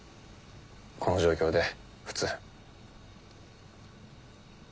この状況で普通。